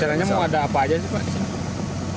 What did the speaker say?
caranya mau ada apa aja sih pak